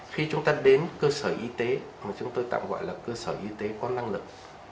khi chúng ta đến cơ sở y tế mà chúng tôi tạm gọi là cơ sở y tế có năng lực